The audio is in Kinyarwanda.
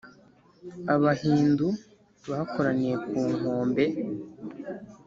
abahindu bakoraniye ku nkombe